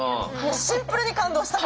シンプルに感動した。